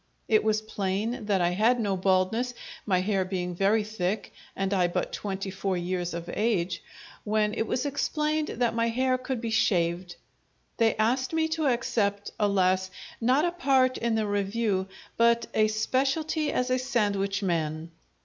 It was plain that I had no baldness, my hair being very thick and I but twenty four years of age, when it was explained that my hair could be shaved. They asked me to accept, alas! not a part in the Revue, but a specialty as a sandwich man.